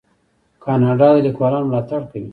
کاناډا د لیکوالانو ملاتړ کوي.